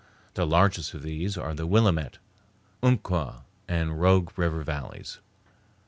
The largest of these are the Willamette, Umpqua, and Rogue River Valleys.